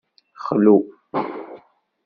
Xlu.